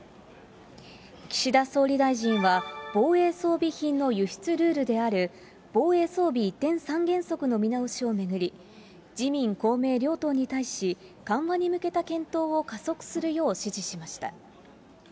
岸田総理大臣は、防衛装備品の輸出ルールである、防衛装備移転三原則の見直しを巡り、自民、公明両党に対し、緩和に向けた検討を加速するよう指示しました。